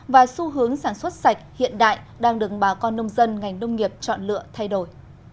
và xu hướng sản xuất sạch hiện đại đang đứng bà con nông dân ngành nông nghiệp chọn lựa thay đổi